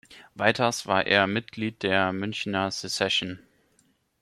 Weiters war er Mitglied der Münchener Secession.